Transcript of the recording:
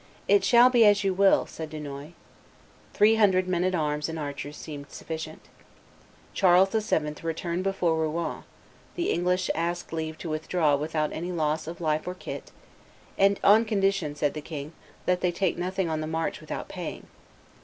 "It shall be as you will," said Dunois. Three hundred men at arms and archers seemed sufficient. Charles VII returned before Rouen; the English asked leave to withdraw without loss of life or kit; and "on condition," said the king "that they take nothing on the march without paying."